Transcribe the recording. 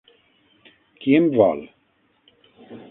Qui em vol?